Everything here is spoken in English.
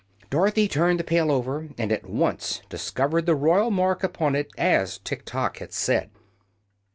Dorothy turned the pail over, and at once discovered the royal mark upon it, as Tiktok had said.